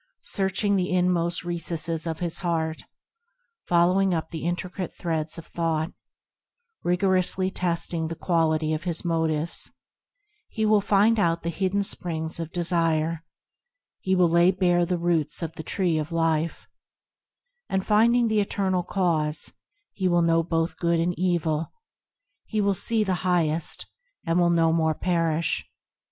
Searching the inmost recesses of his heart, Following up the intricate threads of thought, Rigorously testing the quality of his motives, He will find out the hidden springs of desire, He will lay bare the roots of the tree of life, And finding the Eternal Cause, he will know both Good and evil, He will see the Highest, and will no more perish.